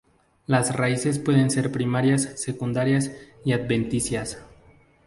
Las raíces pueden ser primarias, secundarias y adventicias.